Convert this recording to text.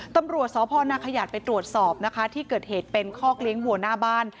ตำรวจสพนขยาดไปตรวจสอบนะคะที่เกิดเหตุเป็นคอกเลี้ยงวัวหน้าบ้าน